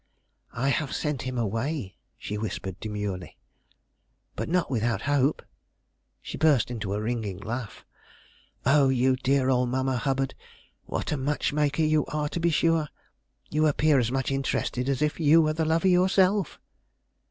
"I have sent him away," she whispered demurely. "But not without hope?" She burst into a ringing laugh. "Oh, you dear old Mamma Hubbard; what a matchmaker you are, to be sure! You appear as much interested as if you were the lover yourself."